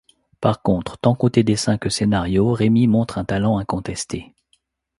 Par contre, tant côté dessin que scénario, Rémy montre un talent incontesté.